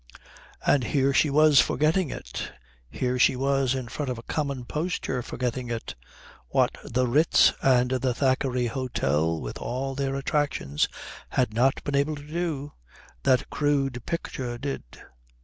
And here she was forgetting it. Here she was in front of a common poster forgetting it. What the Ritz and the Thackeray Hôtel with all their attractions had not been able to do, that crude picture did.